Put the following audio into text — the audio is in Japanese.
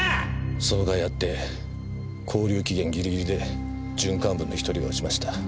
その甲斐あって拘留期限ギリギリで準幹部の１人が落ちました。